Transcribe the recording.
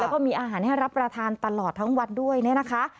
แล้วก็มีอาหารให้รับประทานตลอดทั้งวันด้วยเนี่ยนะคะ